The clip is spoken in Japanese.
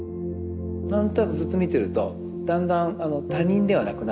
何となくずっと見てるとだんだん他人ではなくなる。